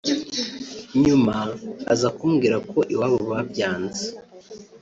nyuma aza kumbwira ko iwabo babyanze